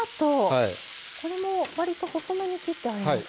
これも、わりと細めに切ってありますね。